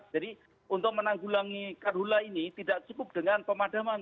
jadi untuk menanggulangi kadula ini tidak cukup dengan pemadaman